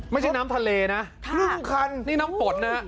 ไม่ใช่น้ำทะเลนะนี่น้ำปฏน